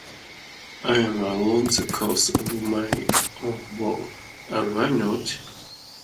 I am alone the cause of my own woe, am I not?